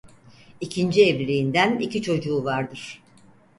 İkinci evliliğinden iki çocuğu vardır.